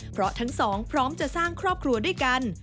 เพราะทั้งสองพร้อมจะสร้างครอบครัวด้วยกัน